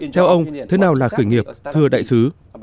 theo ông thế nào là khởi nghiệp thưa đại sứ